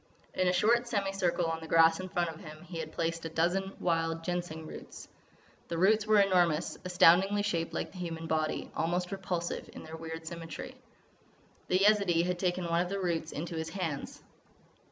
In a short semi circle on the grass in front of him he had placed a dozen wild Ginseng roots. The roots were enormous, astoundingly shaped like the human body, almost repulsive in their weird symmetry. The Yezidee had taken one of these roots into his hands.